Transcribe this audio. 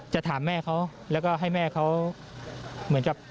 จะถามแม่เขาแล้วก็ให้แม่เขาเหมือนกับ